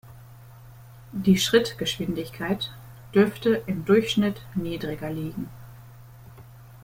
Die Schrittgeschwindigkeit dürfte im Durchschnitt niedriger liegen.